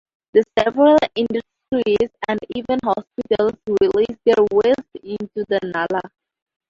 The several industries and even hospitals release their waste into the nala.